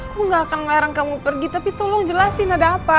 aku gak akan melarang kamu pergi tapi tolong jelasin ada apa